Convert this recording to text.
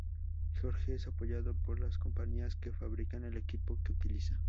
George es apoyado por las compañías que fabrican el equipo que utiliza.